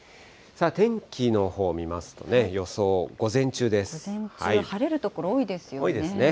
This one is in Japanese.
天気のほうを見ますとね、予想、午前中は晴れる所、多いです多いですね。